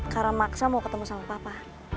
karena maksa mau ketemu sama papa